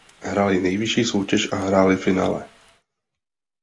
Hráli nejvyšší soutěž a hráli finále.